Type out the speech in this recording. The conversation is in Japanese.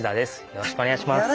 よろしくお願いします。